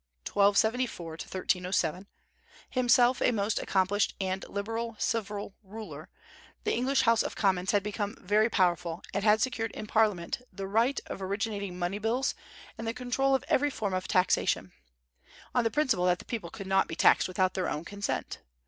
(1274 1307), himself a most accomplished and liberal civil ruler, the English House of Commons had become very powerful, and had secured in Parliament the right of originating money bills, and the control of every form of taxation, on the principle that the people could not be taxed without their own consent.